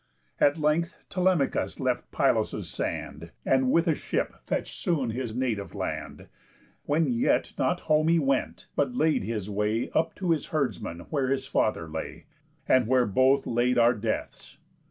At length Telemachus left Pylos' sand, And with a ship fetch'd soon his native land, When yet not home he went, but laid his way Up to his herdsman where his father lay; And where both laid our deaths.